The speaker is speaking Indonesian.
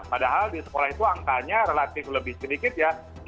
padahal di sekolah itu angkanya relatif lebih sedikit ya